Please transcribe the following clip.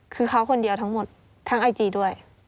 คือเขาคนเดียวทั้งหมดทั้งไอจีด้วย